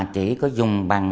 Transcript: chỉ có dùng bằng